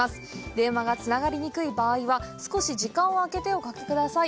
電話がつながりにくい場合は少し時間を空けておかけください。